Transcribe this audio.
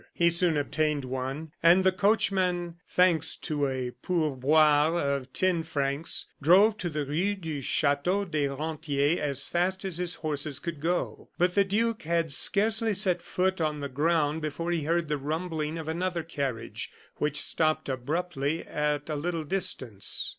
He soon obtained one; and the coachman, thanks to a pourboire of ten francs, drove to the Rue du Chateau des Rentiers as fast as his horses could go. But the duke had scarcely set foot on the ground before he heard the rumbling of another carriage which stopped abruptly at a little distance.